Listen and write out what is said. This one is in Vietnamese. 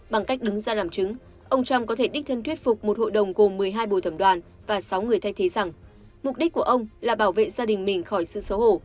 bằng cách đứng ra làm chứng ông trump có thể đích thân thuyết phục một hội đồng gồm một mươi hai bồi thẩm đoàn và sáu người thay thế rằng mục đích của ông là bảo vệ gia đình mình khỏi sư xấu hổ